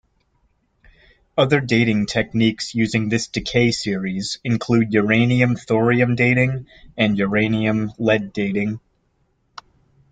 Other dating techniques using this decay series include uranium-thorium dating and uranium-lead dating.